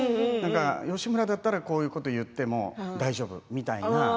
義村だったらこういうことを言っても大丈夫みたいな。